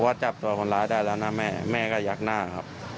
ว่าจับตัวคนร้ายได้แล้วนะแม่แม่ก็ยักหน้าครับ